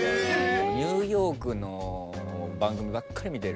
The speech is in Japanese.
ニューヨークの番組ばっかり見てる。